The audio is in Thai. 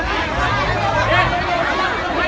ก็ไม่มีเวลาให้กลับมาเท่าไหร่